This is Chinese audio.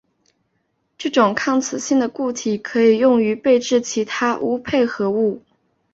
这种抗磁性固体可以用于制备其它钨配合物。